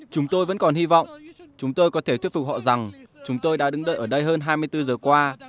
chúng tôi vẫn còn hy vọng chúng tôi có thể thuyết phục họ rằng chúng tôi đã đứng đợi ở đây hơn hai mươi bốn giờ qua